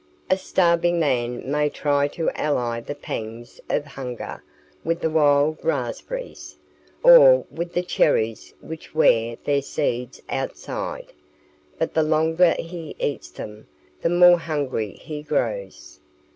A starving man may try to allay the pangs of hunger with the wild raspberries, or with the cherries which wear their seeds outside, but the longer he eats them, the more hungry he grows.